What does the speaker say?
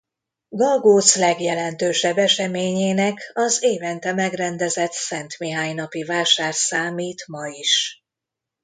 Galgóc legjelentősebb eseményének az évente megrendezett Szent Mihály napi vásár számít ma is.